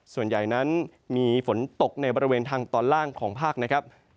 ส่วนใหญ่นั้นมีฝนตกในบริเวณทางตอนล่างของภาคนะครับ